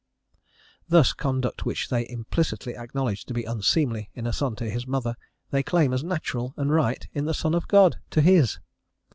Thus, conduct which they implicitly acknowledge to be unseemly in a son to his mother, they claim as natural and right in the Son of God, to His!